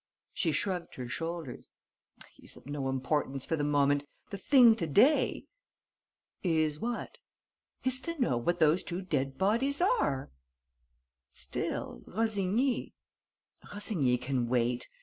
She shrugged her shoulders: "He's of no importance for the moment. The thing to day...." "Is what?" "Is to know what those two dead bodies are." "Still, Rossigny...." "Rossigny can wait.